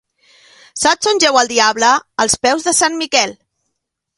Saps on jeu el diable? Als peus de sant Miquel.